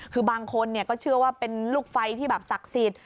คือบางคนก็เชื่อว่าเป็นลูกไฟที่แบบศักดิ์สิทธิ์